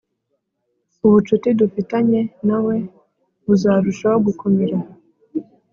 Ubucuti dufitanye na we buzarushaho gukomera